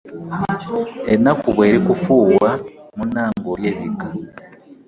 Ennaku bw'erikufuuwa munnange olyebikka.